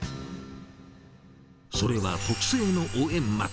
それは特製の応援幕。